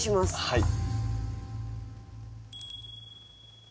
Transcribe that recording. はい。